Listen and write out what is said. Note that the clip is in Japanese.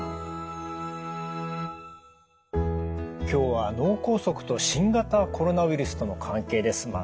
今日は脳梗塞と新型コロナウイルスとの関係です。